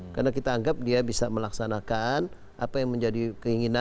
karena kita anggap dia bisa melaksanakan apa yang menjadi keinginan